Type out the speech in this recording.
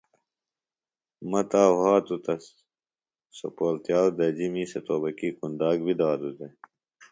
مہ تا وھاتوۡ تہ، سوۡ پولتِیاؤ دجیۡ، می سےۡ توبکی کُنداک بیۡ دادوۡ دےۡ